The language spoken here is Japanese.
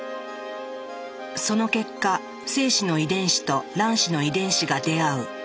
その結果精子の遺伝子と卵子の遺伝子が出会う。